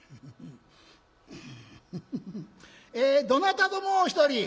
「えどなたぞもう一人」。